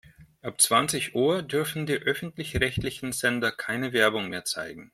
Ab zwanzig Uhr dürfen die öffentlich-rechtlichen Sender keine Werbung mehr zeigen.